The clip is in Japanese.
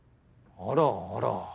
あらあら。